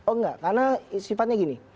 oh enggak karena sifatnya gini